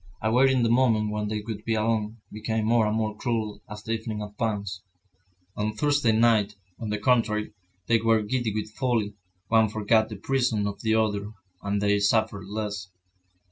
Awaiting the moment when they would be alone, became more and more cruel as the evening advanced. On Thursday night, on the contrary, they were giddy with folly, one forgot the presence of the other, and they suffered less.